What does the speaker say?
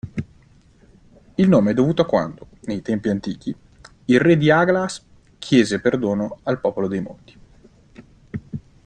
Il nome è dovuto a quando, nei tempi antichi, il Re di Aglaas chiese perdono al popolo dei Monti.